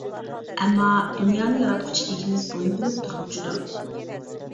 ئەمما، دۇنيانى ياراتقۇچى ئىگىمىز بۇنى بىلىپ تۇرغۇچىدۇر.